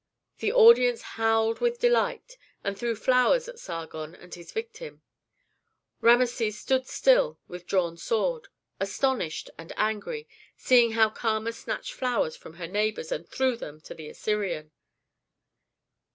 The audience howled with delight, and threw flowers at Sargon and his victim. Rameses stood still with drawn sword, astonished and angry, seeing how Kama snatched flowers from her neighbors and threw them to the Assyrian.